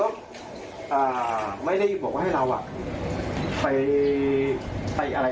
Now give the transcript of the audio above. จะไม่เคลียร์กันได้ง่ายนะครับ